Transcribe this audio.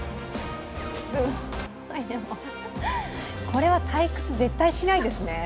これは退屈、絶対しないですね。